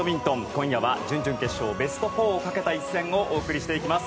今夜は準々決勝ベスト４をかけた一戦をお送りしていきます。